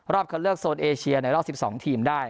เข้าเลือกโซนเอเชียในรอบ๑๒ทีมได้